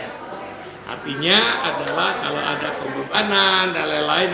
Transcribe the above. artinya adalah kalau ada pembebanan dan lain lain